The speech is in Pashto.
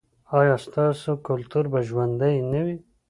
ایا ستاسو کلتور به ژوندی نه وي؟